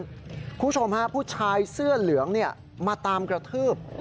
คุณผู้ชมฮะผู้ชายเสื้อเหลืองมาตามกระทืบ